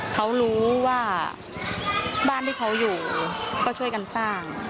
เขารู้ว่าบ้านที่เขาอยู่ก็ช่วยกันสร้าง